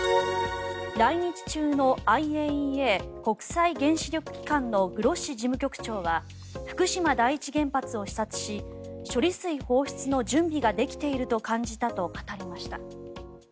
来日中のＩＡＥＡ・国際原子力機関のグロッシ事務局長は福島第一原発を視察し処理水放出の準備ができていると感じたと語りました。